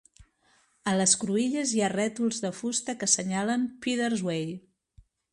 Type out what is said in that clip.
A les cruïlles hi ha rètols de fusta que senyalen "Peddars Way".